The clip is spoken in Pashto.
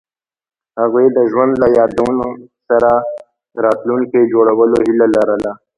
هغوی د ژوند له یادونو سره راتلونکی جوړولو هیله لرله.